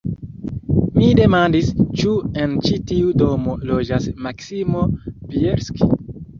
Mi demandis, ĉu en ĉi tiu domo loĝas Maksimo Bjelski.